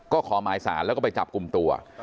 ก็ขอหมายสารแล้วก็ไปจับกลุ่มตัว